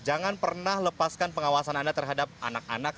jangan pernah lepaskan pengawasan anda terhadap anak anak